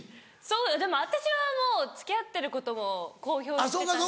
でも私はもう付き合ってることも公表してたし。